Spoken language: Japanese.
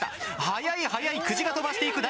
速い、速い、久慈が飛ばしていく。